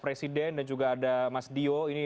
presiden dan juga ada mas dio ini